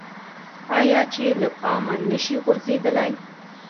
آیا چې له پامه نشي غورځیدلی؟